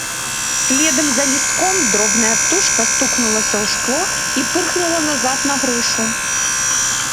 Следам за лістком дробная птушка стукнулася ў шкло і пырхнула назад на грушу.